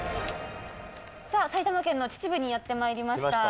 さあ、埼玉県の秩父にやってまいりました。